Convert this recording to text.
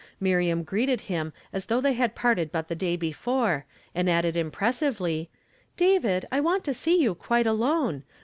Miriam greeted him as though they had parted but the day before, and added im[)ressivp1y, " David, I want to see you quite alone.